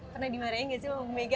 pernah dimarahin tidak sih pak bumega